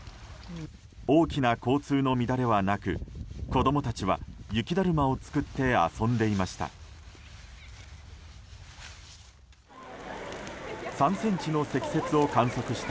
大きな交通の乱れはなく子供たちは雪だるまを作って遊んでいました。